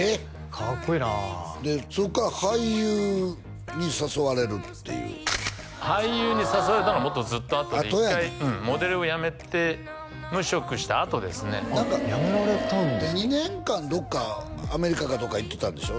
かっこいいなそっから俳優に誘われるっていう俳優に誘われたのはもっとずっとあとで一回モデルをやめて無職したあとですねやめられたんですか２年間どっかアメリカかどっか行ってたんでしょ？